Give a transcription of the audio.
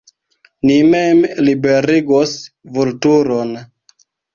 Ni mem liberigos Vulturon!